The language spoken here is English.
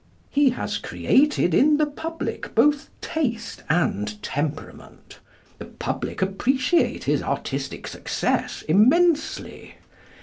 He has created in the public both taste and temperament. The public appreciate his artistic success immensely.